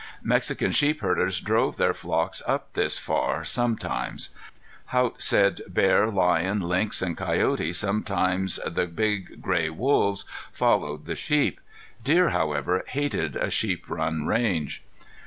Mexican sheep herders drove their flocks up this far sometimes. Haught said bear, lion, lynx, and coyote, sometimes the big gray wolves, followed the sheep. Deer, however, hated a sheep run range.